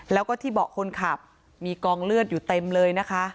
แล้วก็ที่เบาะคนขับมีกองเลือดอยู่เต็มเลยนะคะ